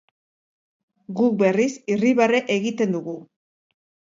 Guk, berriz, irribarre egiten dugu.